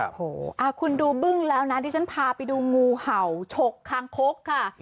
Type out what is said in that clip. โอ้โหคุณดูบึ้งแล้วนะที่ฉันพาไปดูงูเห่าฉกคางคกค่ะ